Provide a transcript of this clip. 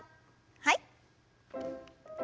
はい。